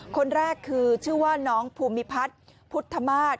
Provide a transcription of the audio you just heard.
คนแรกคือชื่อว่าน้องภูมิพัฒน์พุทธมาศ